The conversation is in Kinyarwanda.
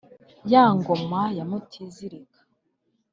ya ngoma ya mutizirika